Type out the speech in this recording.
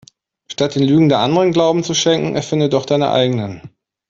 Statt den Lügen der Anderen Glauben zu schenken erfinde doch deine eigenen.